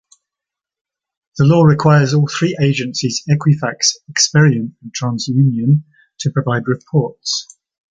The law requires all three agencies, Equifax, Experian, and Transunion, to provide reports.